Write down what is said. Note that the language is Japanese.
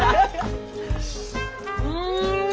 うん！